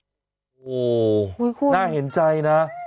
โอ้โหน่าเห็นใจนะ